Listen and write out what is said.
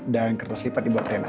dan kertas lipat di bawah rena